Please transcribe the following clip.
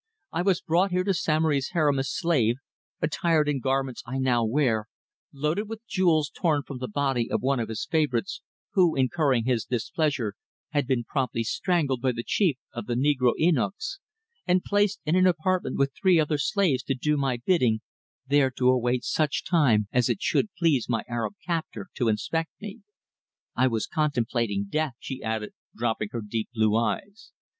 I was brought here to Samory's harem as slave, attired in the garments I now wear, loaded with jewels torn from the body of one of his favourites, who, incurring his displeasure, had been promptly strangled by the chief of the negro eunuchs, and placed in an apartment with three other slaves to do my bidding, there to await such time as it should please my Arab captor to inspect me. I was contemplating death," she added, dropping her deep blue eyes.